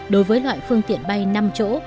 đối với loại phương tiện bay năm chỗ